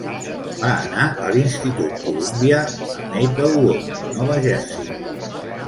Va anar a l'Institut Columbia a Maplewood, Nova Jersey.